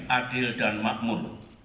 adil dan makmur